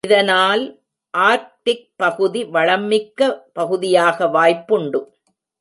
இதனால், ஆர்க்டிக் பகுதி வளமிக்க பகுதியாக வாய்ப்புண்டு.